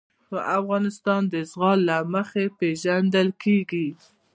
افغانستان د زغال له مخې پېژندل کېږي.